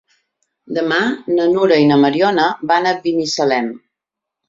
Demà na Nura i na Mariona van a Binissalem.